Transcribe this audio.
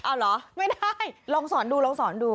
ไม่ได้ลองสอนดูลองสอนดู